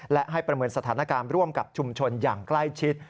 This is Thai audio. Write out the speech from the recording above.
และให้ประเมินสถานการณ์ร่วมกับชุมชนอย่างใกล้ชิด